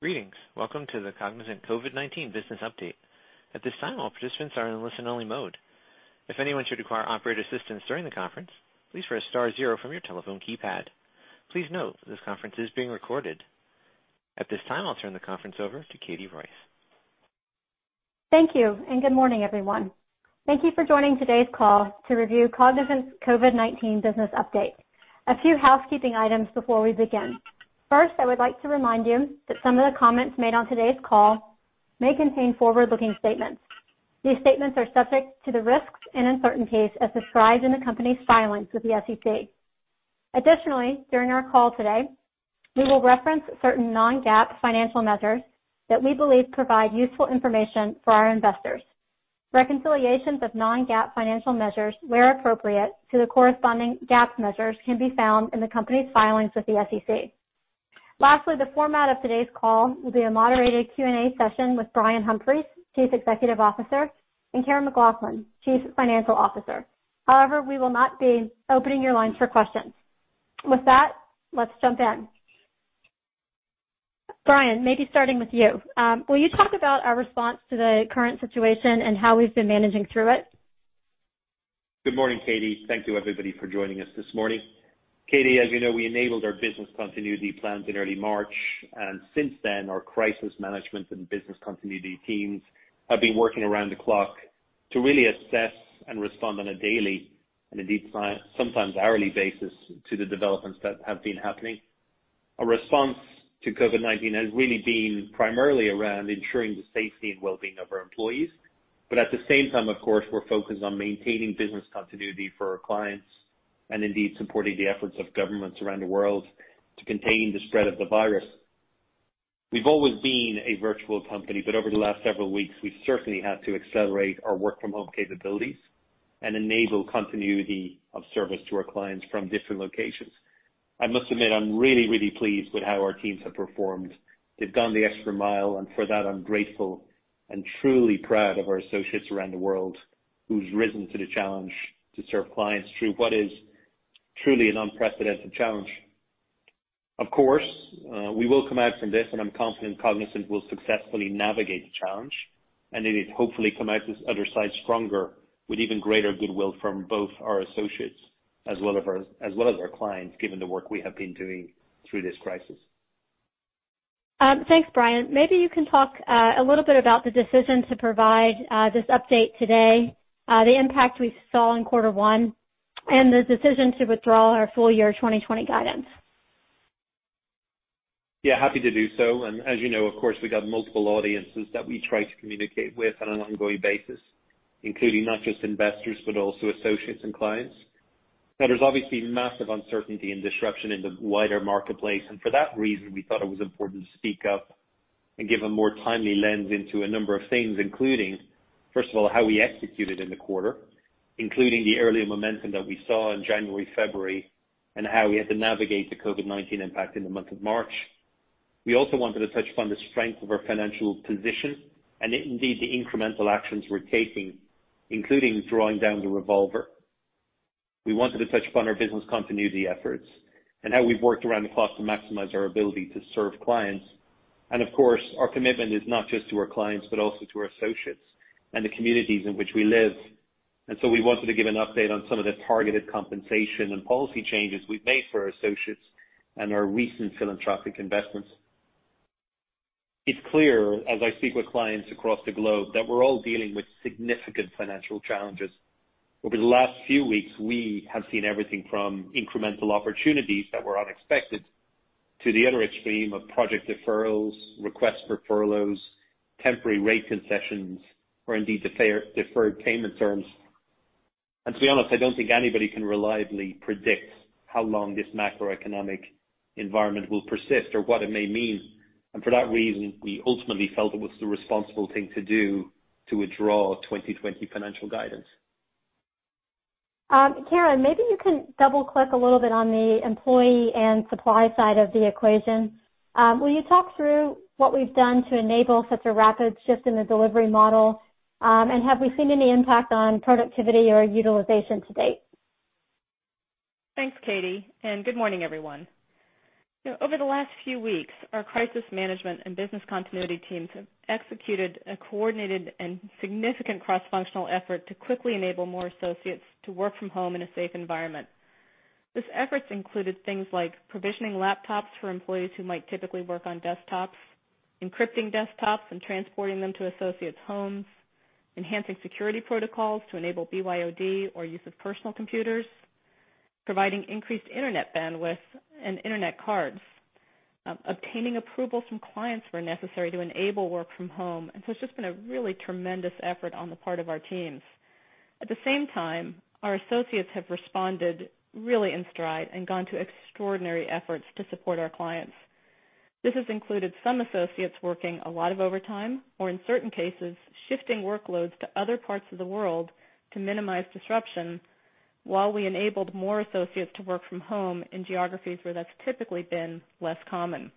Greetings. Welcome to the Cognizant COVID-19 business update. At this time, all participants are in listen-only mode. If anyone should require operator assistance during the conference, please press star zero from your telephone keypad. Please note this conference is being recorded. At this time, I'll turn the conference over to Katie Royce. Thank you, and good morning, everyone. Thank you for joining today's call to review Cognizant's COVID-19 business update. A few housekeeping items before we begin. First, I would like to remind you that some of the comments made on today's call may contain forward-looking statements. These statements are subject to the risks and uncertainties as described in the company's filings with the SEC. Additionally, during our call today, we will reference certain non-GAAP financial measures that we believe provide useful information for our investors. Reconciliations of non-GAAP financial measures, where appropriate, to the corresponding GAAP measures can be found in the company's filings with the SEC. Lastly, the format of today's call will be a moderated Q&A session with Brian Humphries, Chief Executive Officer, and Karen McLoughlin, Chief Financial Officer. However, we will not be opening your lines for questions. With that, let's jump in. Brian, maybe starting with you, will you talk about our response to the current situation and how we've been managing through it? Good morning, Katie. Thank you, everybody, for joining us this morning. Katie, as you know, we enabled our business continuity plans in early March. Since then our crisis management and business continuity teams have been working around the clock to really assess and respond on a daily and indeed sometimes hourly basis to the developments that have been happening. Our response to COVID-19 has really been primarily around ensuring the safety and wellbeing of our employees. At the same time, of course, we're focused on maintaining business continuity for our clients and indeed supporting the efforts of governments around the world to contain the spread of the virus. We've always been a virtual company. Over the last several weeks, we've certainly had to accelerate our work-from-home capabilities and enable continuity of service to our clients from different locations. I must admit, I'm really, really pleased with how our teams have performed. They've gone the extra mile, and for that, I'm grateful and truly proud of our associates around the world who've risen to the challenge to serve clients through what is truly an unprecedented challenge. Of course, we will come out from this and I'm confident Cognizant will successfully navigate the challenge and indeed hopefully come out the other side stronger with even greater goodwill from both our associates as well as our clients, given the work we have been doing through this crisis. Thanks, Brian. Maybe you can talk a little bit about the decision to provide this update today, the impact we saw in quarter one, and the decision to withdraw our full-year 2020 guidance. Yeah, happy to do so. As you know, of course, we've got multiple audiences that we try to communicate with on an ongoing basis, including not just investors, but also associates and clients. Now, there's obviously massive uncertainty and disruption in the wider marketplace, and for that reason, we thought it was important to speak up and give a more timely lens into a number of things, including, first of all, how we executed in the quarter, including the earlier momentum that we saw in January, February, and how we had to navigate the COVID-19 impact in the month of March. We also wanted to touch upon the strength of our financial position and indeed the incremental actions we're taking, including drawing down the revolver. We wanted to touch upon our business continuity efforts and how we've worked around the clock to maximize our ability to serve clients. Of course, our commitment is not just to our clients, but also to our associates and the communities in which we live. So we wanted to give an update on some of the targeted compensation and policy changes we've made for our associates and our recent philanthropic investments. It's clear as I speak with clients across the globe that we're all dealing with significant financial challenges. Over the last few weeks, we have seen everything from incremental opportunities that were unexpected to the other extreme of project deferrals, requests for furloughs, temporary rate concessions, or indeed deferred payment terms. To be honest, I don't think anybody can reliably predict how long this macroeconomic environment will persist or what it may mean. For that reason, we ultimately felt it was the responsible thing to do to withdraw 2020 financial guidance. Karen, maybe you can double-click a little bit on the employee and supply side of the equation. Will you talk through what we've done to enable such a rapid shift in the delivery model? Have we seen any impact on productivity or utilization to date? Thanks, Katie, and good morning, everyone. Over the last few weeks, our crisis management and business continuity teams have executed a coordinated and significant cross-functional effort to quickly enable more associates to work from home in a safe environment. These efforts included things like provisioning laptops for employees who might typically work on desktops, encrypting desktops and transporting them to associates' homes, enhancing security protocols to enable BYOD or use of personal computers, providing increased internet bandwidth and internet cards, obtaining approval from clients where necessary to enable work from home. It's just been a really tremendous effort on the part of our teams. At the same time, our associates have responded really in stride and gone to extraordinary efforts to support our clients. This has included some associates working a lot of overtime or in certain cases, shifting workloads to other parts of the world to minimize disruption while we enabled more associates to work from home in geographies where that's typically been less common.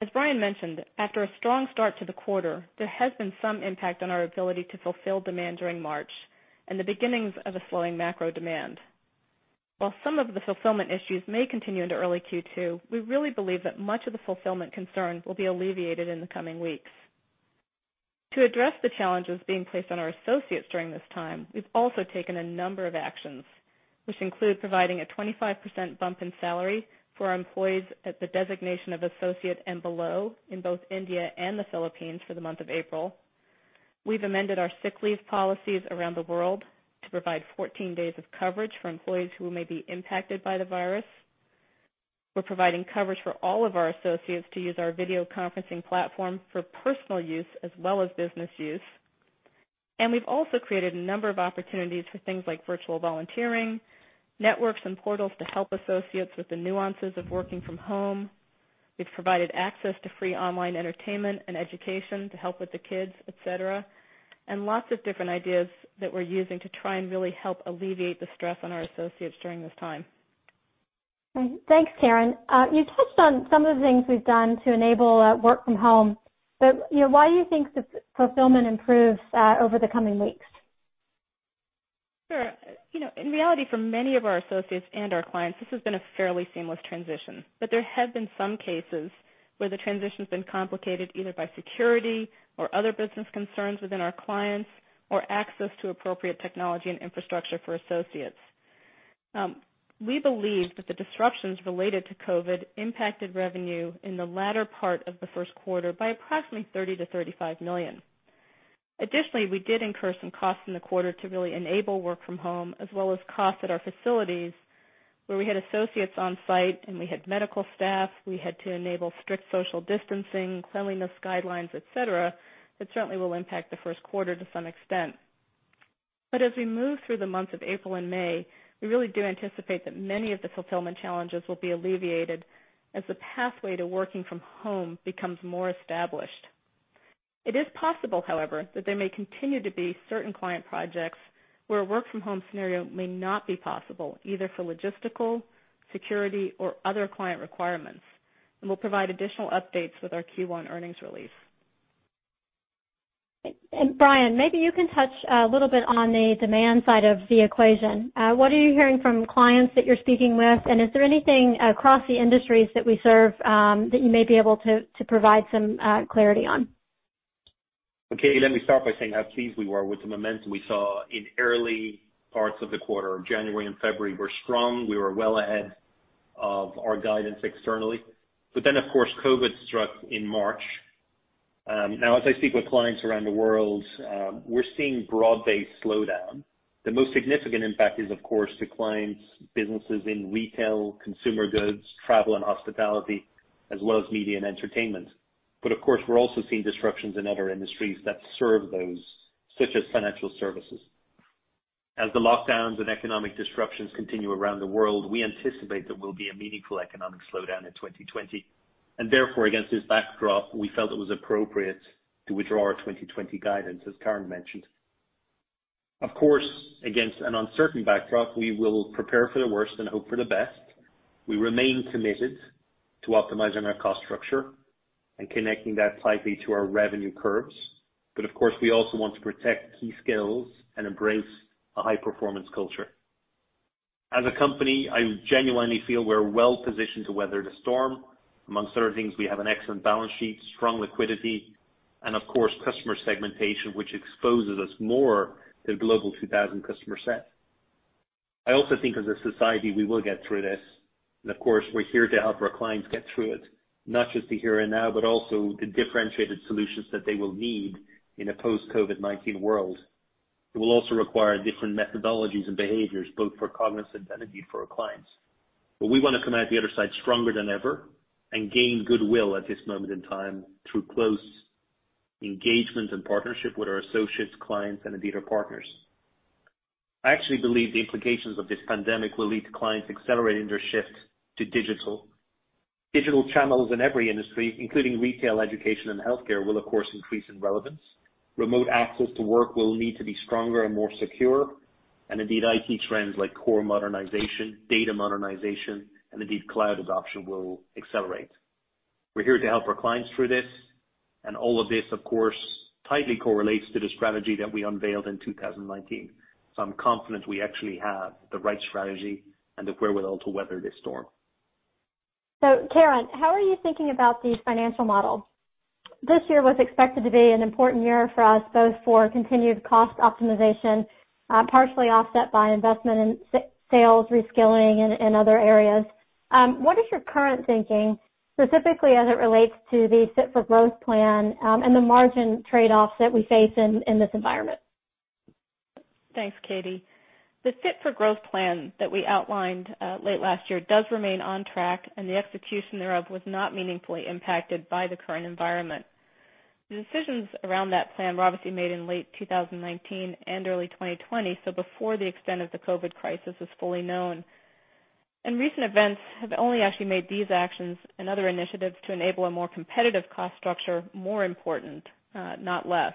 As Brian mentioned, after a strong start to the quarter, there has been some impact on our ability to fulfill demand during March and the beginnings of a slowing macro demand. Some of the fulfillment issues may continue into early Q2, we really believe that much of the fulfillment concerns will be alleviated in the coming weeks. To address the challenges being placed on our associates during this time, we've also taken a number of actions, which include providing a 25% bump in salary for our employees at the designation of associate and below in both India and the Philippines for the month of April. We've amended our sick leave policies around the world to provide 14 days of coverage for employees who may be impacted by the virus. We're providing coverage for all of our associates to use our video conferencing platform for personal use as well as business use. We've also created a number of opportunities for things like virtual volunteering, networks, and portals to help associates with the nuances of working from home. We've provided access to free online entertainment and education to help with the kids, et cetera, and lots of different ideas that we're using to try and really help alleviate the stress on our associates during this time. Thanks, Karen. You touched on some of the things we've done to enable work from home, but why do you think fulfillment improves over the coming weeks? Sure. In reality, for many of our associates and our clients, this has been a fairly seamless transition, but there have been some cases where the transition's been complicated either by security or other business concerns within our clients or access to appropriate technology and infrastructure for associates. We believe that the disruptions related to COVID-19 impacted revenue in the latter part of Q1 by approximately $30 million-$35 million. Additionally, we did incur some costs in the quarter to really enable work from home, as well as costs at our facilities where we had associates on site and we had medical staff. We had to enable strict social distancing, cleanliness guidelines, et cetera. That certainly will impact Q1 to some extent. As we move through the months of April and May, we really do anticipate that many of the fulfillment challenges will be alleviated as the pathway to working from home becomes more established. It is possible, however, that there may continue to be certain client projects where a work from home scenario may not be possible, either for logistical, security, or other client requirements, and we'll provide additional updates with our Q1 earnings release. Brian, maybe you can touch a little bit on the demand side of the equation. What are you hearing from clients that you're speaking with? Is there anything across the industries that we serve that you may be able to provide some clarity on? Katie, let me start by saying how pleased we were with the momentum we saw in early parts of the quarter. January and February were strong. We were well ahead of our guidance externally. Then, of course, COVID struck in March. Now, as I speak with clients around the world, we're seeing broad-based slowdown. The most significant impact is, of course, to clients' businesses in retail, consumer goods, travel and hospitality, as well as media and entertainment. Of course, we're also seeing disruptions in other industries that serve those, such as financial services. As the lockdowns and economic disruptions continue around the world, we anticipate there will be a meaningful economic slowdown in 2020, and therefore, against this backdrop, we felt it was appropriate to withdraw our 2020 guidance, as Karen mentioned. Of course, against an uncertain backdrop, we will prepare for the worst and hope for the best. We remain committed to optimizing our cost structure and connecting that tightly to our revenue curves. Of course, we also want to protect key skills and embrace a high-performance culture. As a company, I genuinely feel we're well-positioned to weather the storm. Among other things, we have an excellent balance sheet, strong liquidity, and of course, customer segmentation, which exposes us more to the Global 2000 customer set. I also think as a society, we will get through this. Of course, we're here to help our clients get through it, not just the here and now, but also the differentiated solutions that they will need in a post-COVID-19 world. It will also require different methodologies and behaviors, both for Cognizant and indeed for our clients. We want to come out the other side stronger than ever and gain goodwill at this moment in time through close engagement and partnership with our associates, clients, and indeed our partners. I actually believe the implications of this pandemic will lead to clients accelerating their shift to digital. Digital channels in every industry, including retail, education, and healthcare, will of course increase in relevance. Remote access to work will need to be stronger and more secure, and indeed, IT trends like core modernization, data modernization, and indeed cloud adoption will accelerate. We're here to help our clients through this, and all of this, of course, tightly correlates to the strategy that we unveiled in 2019. I'm confident we actually have the right strategy and the wherewithal to weather this storm. Karen, how are you thinking about the financial model? This year was expected to be an important year for us both for continued cost optimization, partially offset by investment in sales, reskilling, and other areas. What is your current thinking, specifically as it relates to the Fit for Growth plan, and the margin trade-offs that we face in this environment? Thanks, Katie. The Fit for Growth plan that we outlined late last year does remain on track. The execution thereof was not meaningfully impacted by the current environment. The decisions around that plan were obviously made in late 2019 and early 2020, before the extent of the COVID crisis was fully known. Recent events have only actually made these actions and other initiatives to enable a more competitive cost structure more important, not less.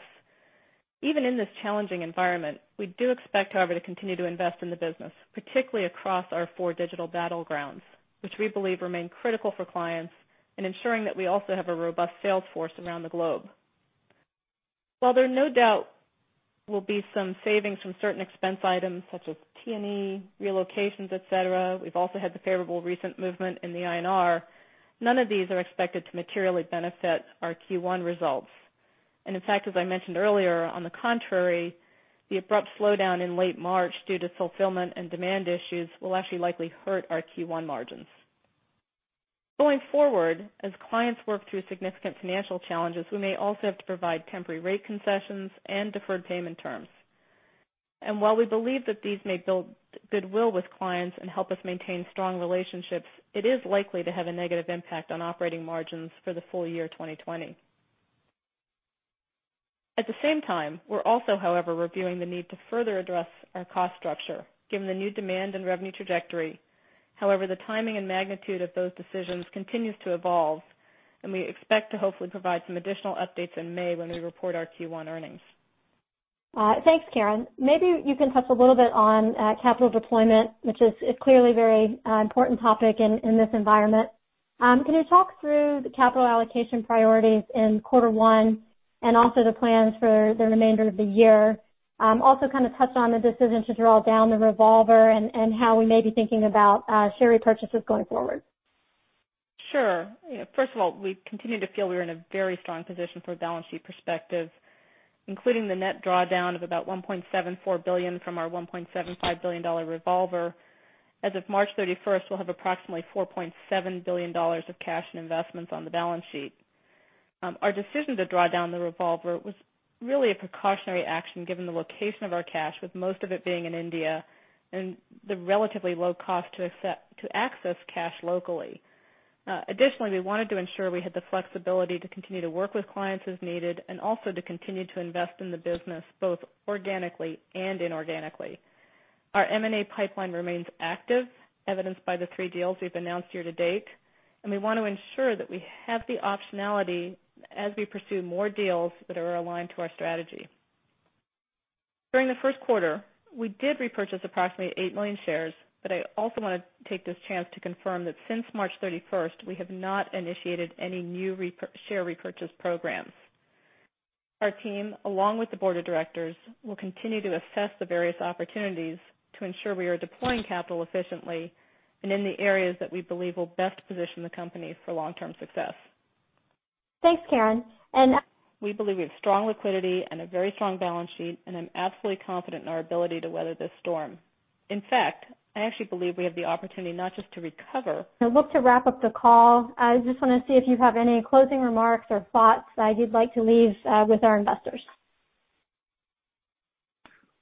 Even in this challenging environment, we do expect, however, to continue to invest in the business, particularly across our four digital battlegrounds, which we believe remain critical for clients in ensuring that we also have a robust sales force around the globe. While there no doubt will be some savings from certain expense items such as T&E, relocations, et cetera, we've also had the favorable recent movement in the INR, none of these are expected to materially benefit our Q1 results. In fact, as I mentioned earlier, on the contrary, the abrupt slowdown in late March due to fulfillment and demand issues will actually likely hurt our Q1 margins. Going forward, as clients work through significant financial challenges, we may also have to provide temporary rate concessions and deferred payment terms. While we believe that these may build goodwill with clients and help us maintain strong relationships, it is likely to have a negative impact on operating margins for the full year 2020. At the same time, we're also, however, reviewing the need to further address our cost structure, given the new demand and revenue trajectory. However, the timing and magnitude of those decisions continues to evolve, and we expect to hopefully provide some additional updates in May when we report our Q1 earnings. Thanks, Karen. Maybe you can touch a little bit on capital deployment, which is clearly a very important topic in this environment. Can you talk through the capital allocation priorities in quarter one and also the plans for the remainder of the year? Also, touch on the decision to draw down the revolver and how we may be thinking about share repurchases going forward. Sure. First of all, we continue to feel we are in a very strong position from a balance sheet perspective, including the net drawdown of about $1.74 billion from our $1.75 billion revolver. As of March 31st, we'll have approximately $4.7 billion of cash and investments on the balance sheet. Our decision to draw down the revolver was really a precautionary action given the location of our cash, with most of it being in India, and the relatively low cost to access cash locally. Additionally, we wanted to ensure we had the flexibility to continue to work with clients as needed and also to continue to invest in the business both organically and inorganically. Our M&A pipeline remains active, evidenced by the three deals we've announced year to date. We want to ensure that we have the optionality as we pursue more deals that are aligned to our strategy. During the first quarter, we did repurchase approximately 8 million shares, but I also want to take this chance to confirm that since March 31st, we have not initiated any new share repurchase programs. Our team, along with the board of directors, will continue to assess the various opportunities to ensure we are deploying capital efficiently and in the areas that we believe will best position the company for long-term success. Thanks, Karen. We believe we have strong liquidity and a very strong balance sheet, and I'm absolutely confident in our ability to weather this storm. In fact, I actually believe we have the opportunity not just to recover. Look to wrap up the call. I just want to see if you have any closing remarks or thoughts that you'd like to leave with our investors.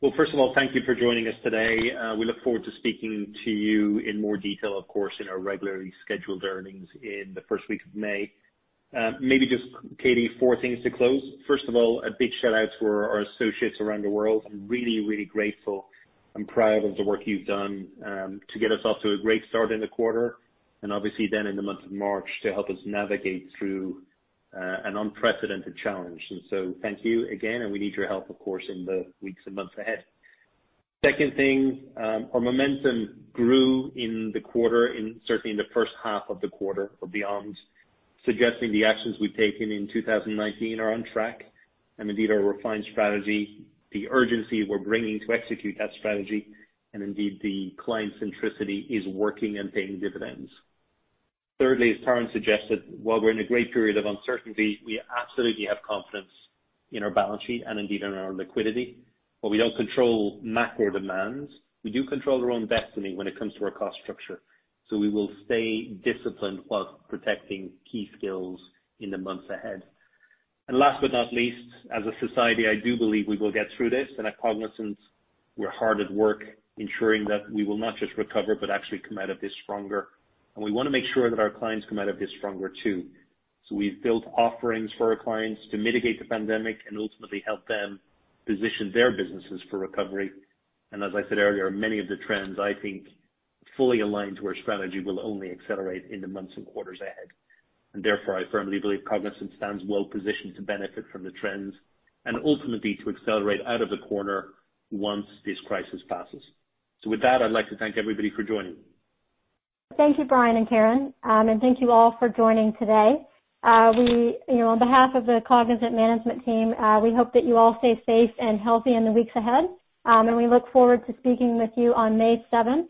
Well, first of all, thank you for joining us today. We look forward to speaking to you in more detail, of course, in our regularly scheduled earnings in the first week of May. Maybe just, Katie, four things to close. First of all, a big shout-out to our associates around the world. I'm really grateful and proud of the work you've done to get us off to a great start in the quarter, and obviously then in the month of March to help us navigate through an unprecedented challenge. Thank you again, and we need your help, of course, in the weeks and months ahead. Second thing, our momentum grew in the quarter, certainly in the first half of the quarter, for beyond suggesting the actions we've taken in 2019 are on track and indeed our refined strategy, the urgency we're bringing to execute that strategy, and indeed, the client centricity is working and paying dividends. Thirdly, as Karen suggested, while we're in a great period of uncertainty, we absolutely have confidence in our balance sheet and indeed in our liquidity. While we don't control macro demands, we do control our own destiny when it comes to our cost structure. We will stay disciplined while protecting key skills in the months ahead. Last but not least, as a society, I do believe we will get through this. At Cognizant, we're hard at work ensuring that we will not just recover, but actually come out of this stronger. We want to make sure that our clients come out of this stronger, too. We've built offerings for our clients to mitigate the pandemic and ultimately help them position their businesses for recovery. As I said earlier, many of the trends, I think, fully aligned to our strategy will only accelerate in the months and quarters ahead. Therefore, I firmly believe Cognizant stands well-positioned to benefit from the trends and ultimately to accelerate out of the corner once this crisis passes. With that, I'd like to thank everybody for joining. Thank you, Brian and Karen, and thank you all for joining today. On behalf of the Cognizant management team, we hope that you all stay safe and healthy in the weeks ahead, and we look forward to speaking with you on May 7th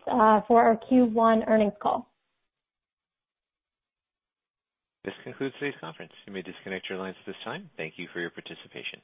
for our Q1 earnings call. This concludes today's conference. You may disconnect your lines at this time. Thank you for your participation.